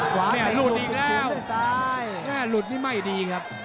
แข้งหลุดอีกแล้วแข้งหลุดนี่ไม่ดีครับ